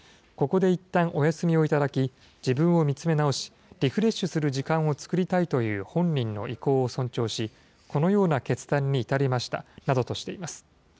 ここでいったんお休みを頂き、自分を見つめ直し、リフレッシュする時間を作りたいという本人の意向を尊重し、このような決断に至りましたなどとしています。